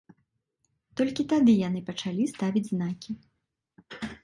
Толькі тады яны пачалі ставіць знакі.